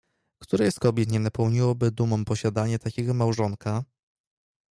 "Której z kobiet nie napełniłoby dumą posiadanie takiego małżonka?"